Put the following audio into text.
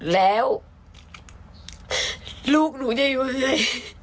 แล้วลูกหนูจะอยู่ยังไง